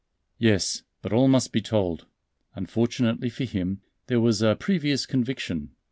"Yes, but all must be told. Unfortunately for him, there was a 'previous conviction.'